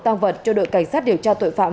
tăng vật cho đội cảnh sát điều tra tội phạm